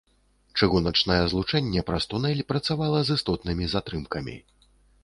Чыгуначнае злучэнне праз тунель працавала з істотнымі затрымкамі.